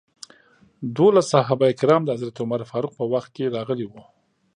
دولس صحابه کرام د حضرت عمر فاروق په وخت کې راغلي وو.